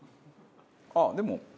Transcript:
あっでも。